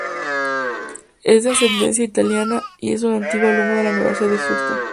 Es de ascendencia italiana y es un antiguo alumno de la Universidad de Houston.